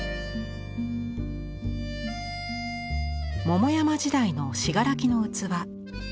桃山時代の信楽の器。